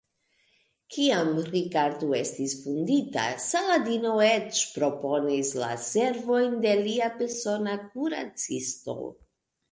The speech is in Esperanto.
Kiam Rikardo estis vundita, Saladino eĉ proponis la servojn de lia persona kuracisto.